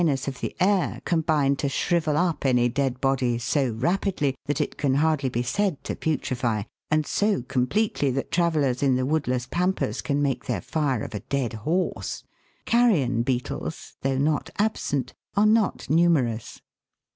In tropical countries where the extreme heat and dryness of the air combine to shrivel up any dead body so rapidly that it can hardly be said to putrefy, and so completely that travellers in the woodless pampas can make their fire of a dead horse, carrion beetles, though not absent, are not numerous.